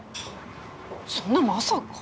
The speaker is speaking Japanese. そんなまさか。